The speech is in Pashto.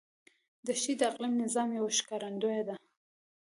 دښتې د اقلیمي نظام یو ښکارندوی دی.